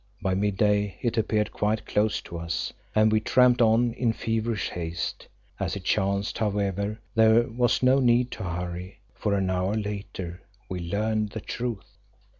By mid day it appeared quite close to us, and we tramped on in feverish haste. As it chanced, however, there was no need to hurry, for an hour later we learned the truth.